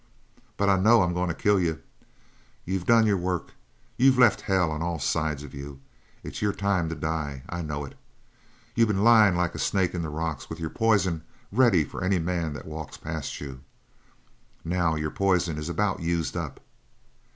But I know I'm going to kill you. You've done your work you've left hell on all sides of you it's your time to die. I know it! You been lyin' like a snake in the rocks with your poison ready for any man that walks past you. Now your poison is about used up."